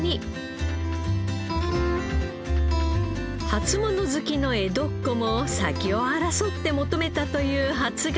初物好きの江戸っ子も先を争って求めたという初がつお。